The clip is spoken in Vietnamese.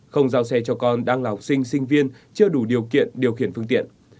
không giao xe cho con đang là học sinh sinh viên chưa đủ điều kiện điều khiển phương tiện